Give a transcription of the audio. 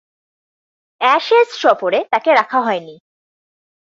Ashes সফরে তাকে রাখা হয়নি।